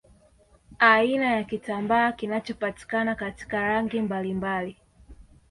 Aina ya kitambaa kinachopatikana katika rangi mbalimbali